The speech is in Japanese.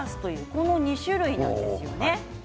この２種類なんですよね。